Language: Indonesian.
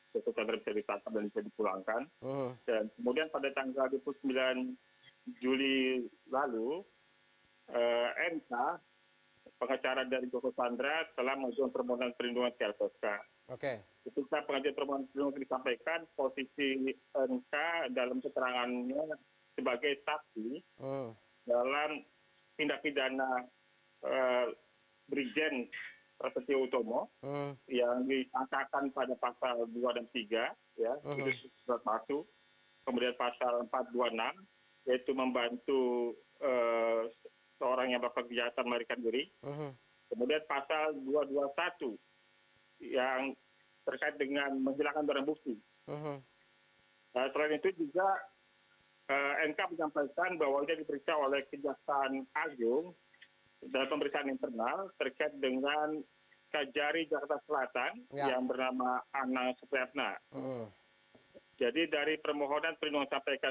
supaya tidak tampak